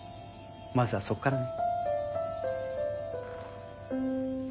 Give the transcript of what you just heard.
まずはそこからね。